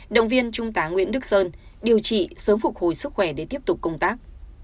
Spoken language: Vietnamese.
động viên trung tá nguyễn đức sơn điều trị sớm phục hồi sức khỏe để tiếp tục công tác